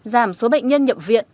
giảm số bệnh nhân nhập viện